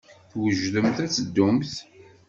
Twejdemt ad teddumt?